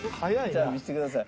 じゃあ見せてください。